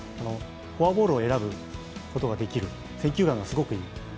フォアボールを選ぶことができる、選球眼がすごくいい。